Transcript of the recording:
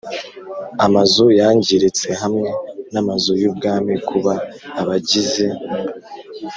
amazu yangiritse hamwe n Amazu y Ubwami Kuba abagize